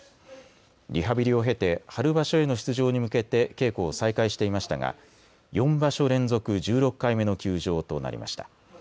リハビリを経て春場所への出場に向けて稽古を再開していましたが４場所連続、１６回目の休場となりました。